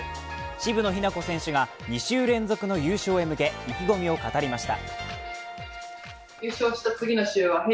渋野日向子選手が２週連続の優勝へ向け、意気込みを語りました。